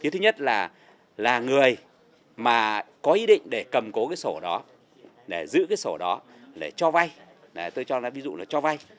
thứ nhất là người mà có ý định để cầm cố cái sổ đó để giữ cái sổ đó để cho vay tôi cho là ví dụ là cho vay